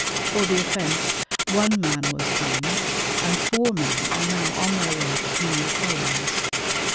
For the offense one man was hanged, and four men are now on their way to penal colonies.